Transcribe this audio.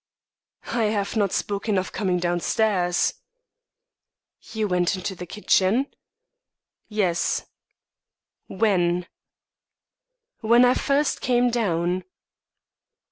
"I have not spoken of coming downstairs." "You went into the kitchen?" "Yes." "When?" "When I first came down."